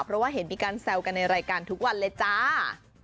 เพราะว่าเห็นมีการแซวกันในรายการทุกวันเลยจ้า